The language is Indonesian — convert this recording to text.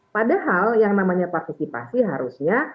padahal yang namanya partisipasi harusnya